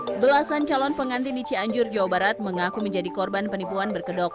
hai belasan calon pengantin di cianjur jawa barat mengaku menjadi korban penipuan berkedok